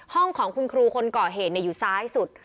ห้องของคุณครูคนเก่าเหนย์อยู่ซ้ายสุด